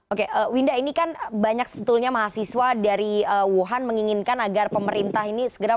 oke winda ini kan banyak sebetulnya mahasiswa dari wuhan menginginkan agar pemerintah ini segera